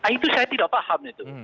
itu saya tidak paham itu